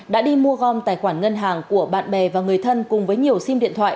đã đi mua gom tài khoản ngân hàng của bạn bè và người thân cùng với nhiều sim điện thoại